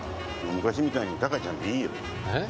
昔みたいに「隆ちゃん」でいいよ。えっ？